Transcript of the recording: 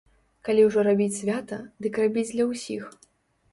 Калі ўжо рабіць свята, дык рабіць для ўсіх.